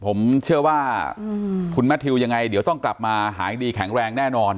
ผมเชื่อว่าคุณแมททิวยังไงเดี๋ยวต้องกลับมาหายดีแข็งแรงแน่นอน